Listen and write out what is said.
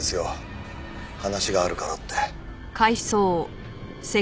話があるからって。